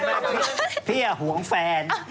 ไม่พี่อย่าหวงแฟน